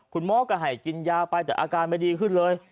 คุณหมอก็ให้กินยาไปแต่อาการไม่ดีขึ้นเลย